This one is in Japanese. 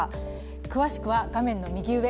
詳しくは画面の右上